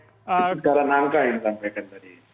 sekitaran angka yang disampaikan tadi